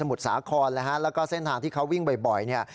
มุดสาของเลยเลยเส้นทางที่เขาวิ่งบ่อยเนี่ย